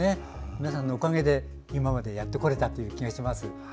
皆さんのおかげで今までやってこれたという気がします。